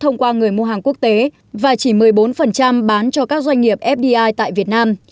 người mua hàng quốc tế và chỉ một mươi bốn bán cho các doanh nghiệp fdi tại việt nam